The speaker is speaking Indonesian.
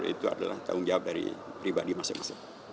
itu adalah tanggung jawab dari pribadi masing masing